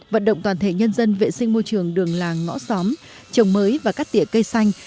vận động toàn thể nhân dân vệ sinh môi trường đường làng ngõ xóm trồng mới và cắt tỉa cây xanh